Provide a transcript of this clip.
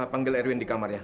panggil erwin di kamarnya